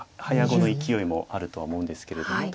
早碁の勢いもあるとは思うんですけれども。